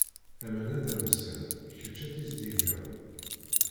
Aman ad amsen, kečč ad tizdigeḍ.